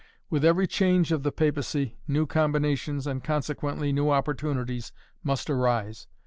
With every change of the papacy new combinations, and, consequently, new opportunities must arise.